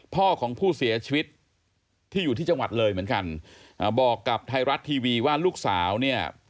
พ่อของผู้เสียชีวิตที่อยู่ที่จังหวัดเลยเหมือนกันอ่าบอกกับไทยรัฐทีวีว่าลูกสาวเนี่ย